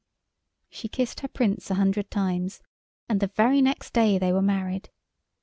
] She kissed her Prince a hundred times, and the very next day they were married.